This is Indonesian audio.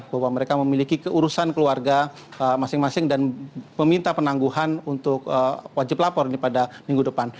bahwa mereka memiliki keurusan keluarga masing masing dan meminta penangguhan untuk wajib lapor pada minggu depan